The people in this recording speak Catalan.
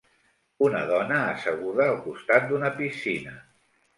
Un dona asseguda al costat d'una piscina.